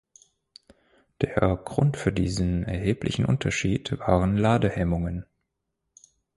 Der Grund für diesen erhebliche Unterschied waren Ladehemmungen.